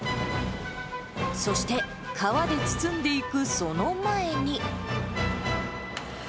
そして、皮で包んでいくその前に。